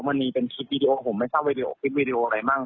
มันมีเป็นคลิปวีดีโอผมไม่ทราบวีดีโอคลิปวิดีโออะไรมั่ง